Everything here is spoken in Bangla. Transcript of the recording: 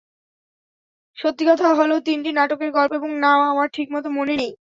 সত্যি কথা হলো, তিনটি নাটকের গল্প এবং নাম আমার ঠিকমতো মনে নেই।